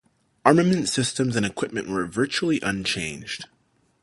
Armament, systems, and equipment were virtually unchanged.